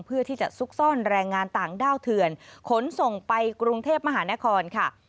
เพื่อที่จะซุกซ่อนแรงงานต่างด้าวเถื่อนขนส่งไปกรุงเทพมหานครค่ะ